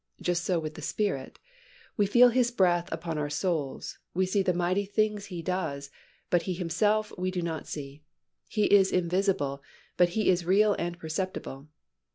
Just so with the Spirit; we feel His breath upon our souls, we see the mighty things He does, but Himself we do not see. He is invisible, but He is real and perceptible.